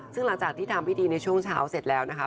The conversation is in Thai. ซึ่งหลังจากที่ทำพิธีในช่วงเช้าเสร็จแล้วนะคะ